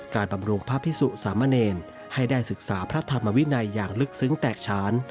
บำรุงพระพิสุสามเณรให้ได้ศึกษาพระธรรมวินัยอย่างลึกซึ้งแตกฉาน